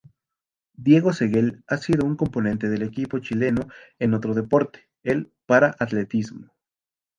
Diego Seguel ha sido un componente del equipo chileno en otro deporte, el para-atletismo.